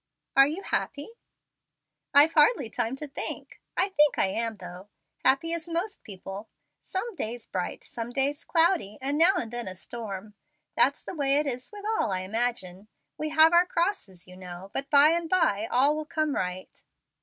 "Are you happy?" "I've hardly time to think. I think I am, though, happy as most people. Some days bright, some days cloudy, and now and then a storm. That's the way it is with all, I imagine. We all have our crosses, you know, but by and by all will come right."